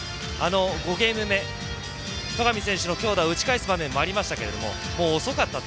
５ゲーム目、戸上選手の強打を打ち返す場面もありましたけどもう遅かったと。